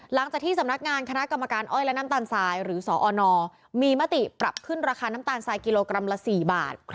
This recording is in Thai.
หลังจากที่สำนักงานคณะกรรมการอ้อยและน้ำตาลทรายหรือสอนมีมติปรับขึ้นราคาน้ำตาลทรายกิโลกรัมละ๔บาท